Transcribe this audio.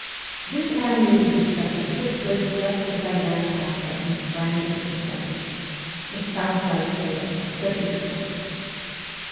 This animated discussion took place just as I ran past them and sprang into the carriage. It sounds like fable, but it is fact.